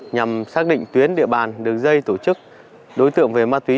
nhằm xác định tuyến địa bàn đường dây tổ chức đối tượng về ma túy